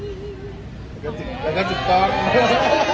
สวัสดีครับทุกคน